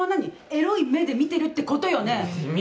エロい目で見てるってことよね！